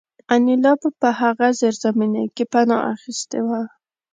انیلا په هغه زیرزمینۍ کې پناه اخیستې وه